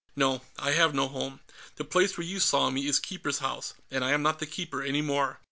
"No, I have no home. The place where you saw me is Keeper's House, and I am not the Keeper any more.